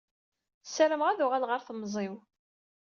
Ssarameɣ ad uɣaleɣ ar temẓi-w.